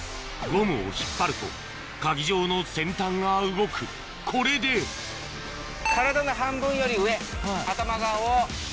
ゴムを引っ張るとかぎ状の先端が動くこれで体の半分より上頭側を。